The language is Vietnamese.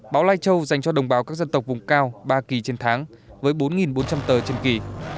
báo lai châu dành cho đồng bào các dân tộc vùng cao ba kỳ trên tháng với bốn bốn trăm linh tờ trên kỳ